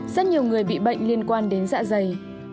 rất nhiều người bị bệnh liên quan đến dạ dày